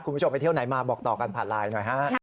คุณผู้ชมไปเที่ยวไหนมาบอกต่อกันผ่านไลน์หน่อยฮะ